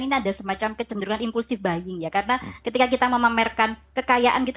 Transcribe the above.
ini ada semacam kecenderungan impulsive buying ya karena ketika kita memamerkan kekayaan gitu